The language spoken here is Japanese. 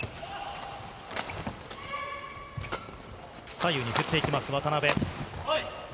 左右に振っていきます、渡辺。